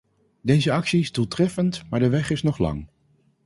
Deze actie is doeltreffend maar de weg is nog lang.